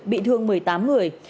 bị thương một mươi tám người